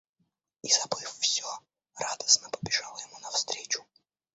И забыв всё, радостно побежала ему навстречу.